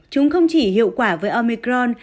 chúng không chỉ hiệu quả với omicron